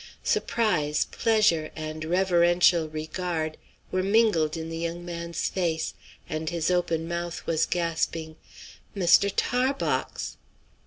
Surprise, pleasure, and reverential regard were mingled in the young man's face, and his open mouth was gasping "Mister Tarbox!"